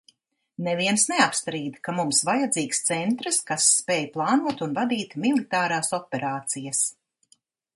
Neviens neapstrīd, ka mums vajadzīgs centrs, kas spēj plānot un vadīt militārās operācijas.